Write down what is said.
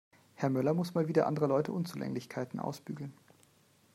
Herr Möller muss mal wieder anderer Leute Unzulänglichkeiten ausbügeln.